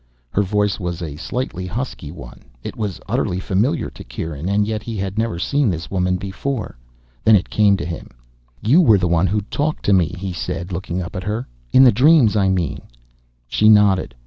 Her voice was a slightly husky one. It was utterly familiar to Kieran, and yet he had never seen this woman before. Then it came to him. "You were the one who talked to me," he said, looking up at her. "In the dreams, I mean." She nodded.